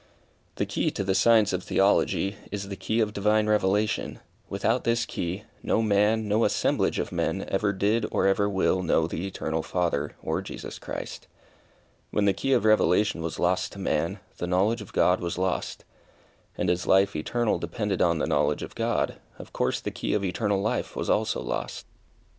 The key to the science of Theology, is the key of divine revelation. Without this key, no man, no assemblage of men, ever did, or ever will know the Eternal Father, or Jesus Christ. When the key of revelation was lost to man, the knowledge of God was lost. And as life eternal depended on the knowledge of God, of course the key of eternal life was also lost.